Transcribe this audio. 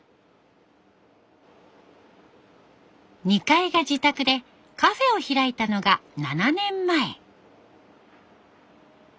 ２階が自宅でカフェを開いたのが７年前。